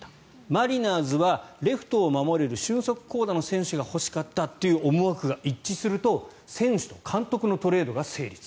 マリナーズはレフトを守れる俊足巧打の選手が欲しかったという思惑が一致すると選手と監督のトレードが成立。